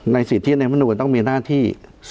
ในสิทธิในลำนุนต้องมีหน้าที่๒